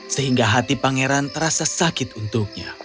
sehingga hati pangeran terasa sakit untuknya